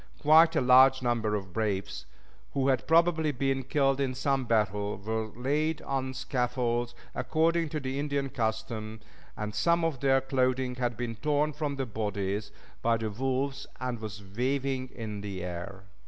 Quite a large number of braves, who had probably been killed in some battle, were laid on scaffolds, according to the Indian custom, and some of their clothing had been torn from the bodies by the wolves and was waving in the air.